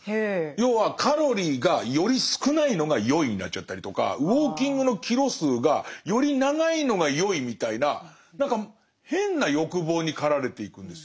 要はカロリーがより少ないのがよいになっちゃったりとかウォーキングのキロ数がより長いのがよいみたいな何か変な欲望に駆られていくんですよ。